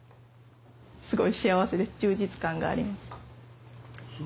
すごい幸せです充実感があります。